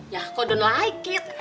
yah kok don't like it